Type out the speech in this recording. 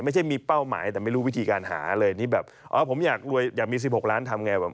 ไม่ใช่มีเป้าหมายแต่ไม่รู้วิธีการหาเลยนี่แบบอ๋อผมอยากรวยอยากมี๑๖ล้านทำไง